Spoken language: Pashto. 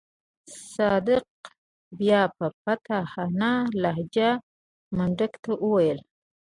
صدک بيا په فاتحانه لهجه منډک ته وويل.